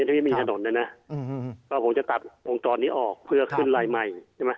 ที่มีถนนเลยนะก็ผมจะตัดตรวนตอนนี้ออกเพื่อขึ้นลายใหม่